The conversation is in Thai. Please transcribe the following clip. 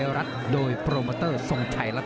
กระหน่าที่น้ำเงินก็มีเสียเอ็นจากอุบลนะครับ